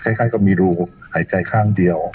ออกมาจะแค่มีรูหายใจข้างเดียว